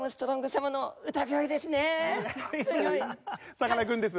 さかなクンです。